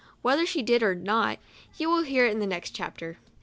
Whether she did or not, you will hear in the next chapter.